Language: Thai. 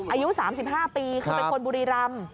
อายุ๓๕ปีคือเป็นคนบุรีรำ